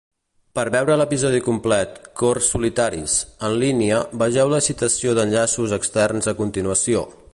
Per veure l'episodi complet "cors solitaris" en línia, vegeu la citació d'enllaços externs a continuació.